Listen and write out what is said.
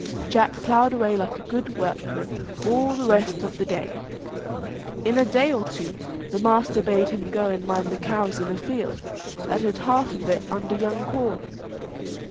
Jack, ploughed away like a good workman all the rest of the day. In a day or two the master bade him go and mind the cows in a field that had half of it under young corn.